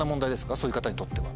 そういう方にとっては。